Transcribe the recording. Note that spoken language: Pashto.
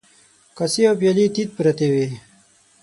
کاسې او پيالې تيت پرتې وې.